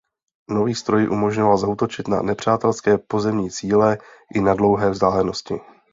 Nový stroj umožňoval zaútočit na nepřátelské pozemní cíle i na dlouhé vzdálenosti.